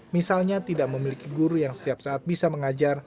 misalnya tidak memiliki guru yang setiap saat bisa mengajar